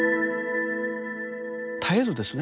絶えずですね